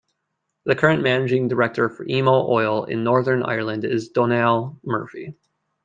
The current managing director for Emo Oil in Northern Ireland is Donal Murphy.